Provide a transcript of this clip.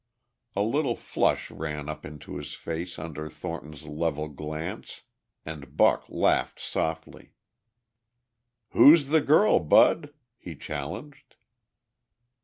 A little flush ran up into his face under Thornton's level glance, and Buck laughed softly. "Who's the girl, Bud?" he challenged.